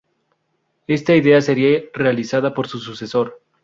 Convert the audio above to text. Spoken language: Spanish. Esta idea sería realizada por su sucesor.